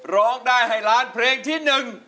ร้องได้ให้ล้านเพลงที่๑